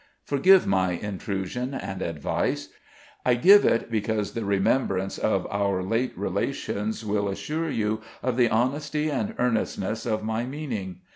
"Forgive my intrusion and advice. I give it because the remembrance of our late relations will assure you of the honesty and earnestness of my meaning.